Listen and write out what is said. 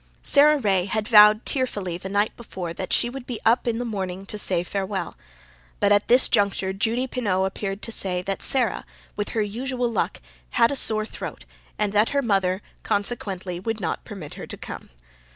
Sara Ray had vowed tearfully the night before that she would be up in the morning to say farewell. But at this juncture Judy Pineau appeared to say that Sara, with her usual luck, had a sore throat, and that her mother consequently would not permit her to come.